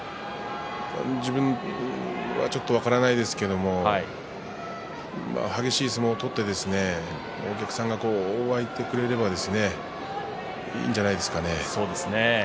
自分は分かりませんが激しい相撲を取ってお客さんが沸いてくれればいいんじゃないですかね。